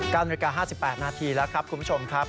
นาฬิกา๕๘นาทีแล้วครับคุณผู้ชมครับ